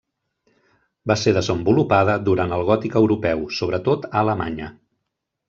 Va ser desenvolupada durant el gòtic europeu, sobretot a Alemanya.